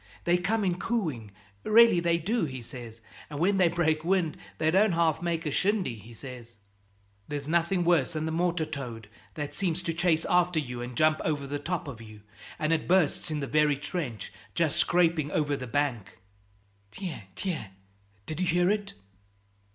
They come in cooing, really they do, he says, and when they break wind they don't half make a shindy, he says." "There's nothing worse than the mortar toad, that seems to chase after you and jump over the top of you, and it bursts in the very trench, just scraping over the bank." "Tiens, tiens, did you hear it?"